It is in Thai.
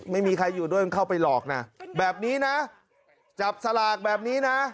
ไม่มีใครอยู่ด้วยมันเข้าไปหลอกนะแบบนี้นะจับสลากแบบนี้นะ